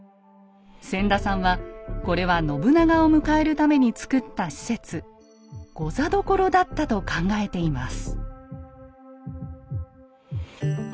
千田さんはこれは信長を迎えるために造った施設「御座所」だったと考えています。